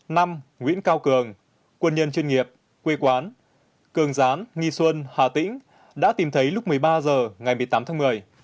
năm nguyễn cao cường quân nhân chuyên nghiệp quê quán cường gián nghi xuân hà tĩnh đã tìm thấy lúc một mươi ba h ngày một mươi tám tháng một mươi